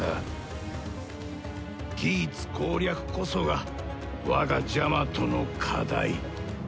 ギーツ攻略こそが我がジャマトの課題